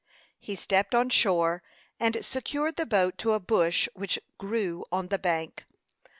He stepped on shore, and secured the boat to a bush which grew on the bank.